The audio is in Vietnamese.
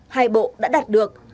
hai bộ đã đạt được